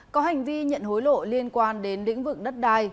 có hành vi nhận hối lộ liên quan đến lĩnh vực đất đai